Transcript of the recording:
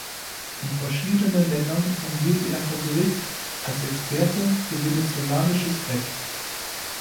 In verschiedenen Ländern fungierte er vor Gericht als Experte für venezolanisches Recht.